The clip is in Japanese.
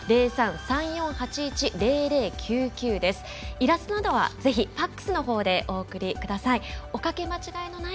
イラストなどはぜひＦＡＸのほうでお送りください。